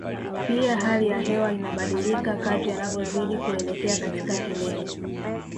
Pia hali ya hewa inabadilika kadri anavyozidi kuelekea katika kilele